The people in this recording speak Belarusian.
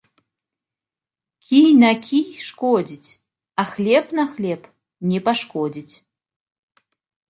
Кій на кій шкодзіць, а хлеб на хлеб не пашкодзіць.